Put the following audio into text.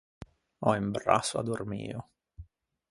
Ò un brasso addormio.